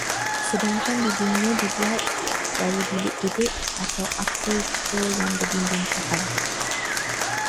Sedangkan dindingnya dibuat dari bilik gedek atau ada juga yang berdinding papan